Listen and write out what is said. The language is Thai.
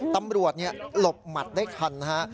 ตำรวจหลบหมัดได้ทันนะฮะ